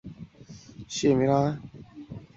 棚仓町是位于福岛县东白川郡的一町。